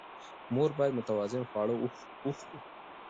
موږ باید متوازن خواړه وخورو